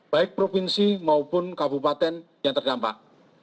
baik provinsi maupun kabupaten yang terdampak